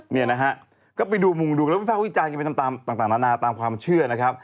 เนี่ยนะฮะก็ไปดูมุงดูแล้ววิภาควิจารณ์กันไปตามต่างนานาตามความเชื่อนะครับ